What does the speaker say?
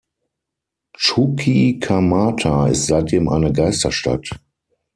Chuquicamata ist seitdem eine Geisterstadt.